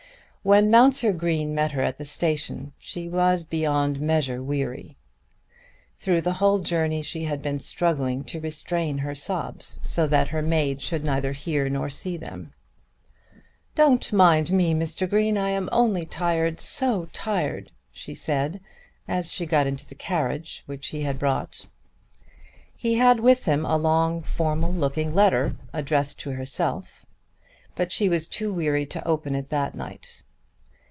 When Mounser Green met her at the station she was beyond measure weary. Through the whole journey she had been struggling to restrain her sobs so that her maid should neither hear nor see them. "Don't mind me, Mr. Green; I am only tired, so tired," she said as she got into the carriage which he had brought. He had with him a long, formal looking letter addressed to herself. But she was too weary to open it that night.